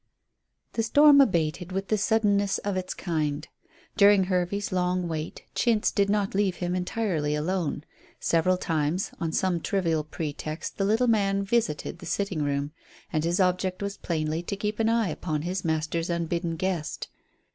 The storm abated with the suddenness of its kind. During Hervey's long wait Chintz did not leave him entirely alone. Several times, on some trivial pretext the little man visited the sitting room. And his object was plainly to keep an eye upon his master's unbidden guest.